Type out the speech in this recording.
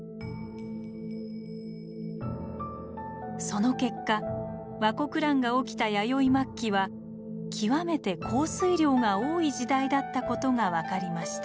その結果倭国乱が起きた弥生末期は極めて降水量が多い時代だったことが分かりました。